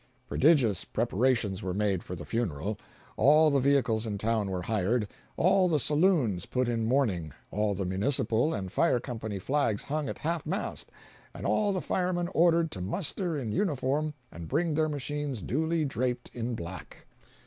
Prodigious preparations were made for the funeral. All the vehicles in town were hired, all the saloons put in mourning, all the municipal and fire company flags hung at half mast, and all the firemen ordered to muster in uniform and bring their machines duly draped in black.